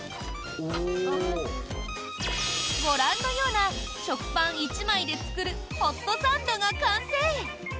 ご覧のような、食パン１枚で作るホットサンドが完成。